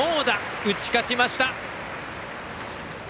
打ち勝ちました。